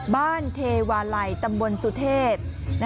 บ้านเทวาลัยตำบลสุเทศ